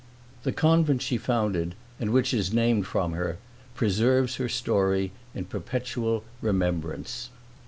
The convent she founded, and which is named from her, preserves her story in perpetual remembrance.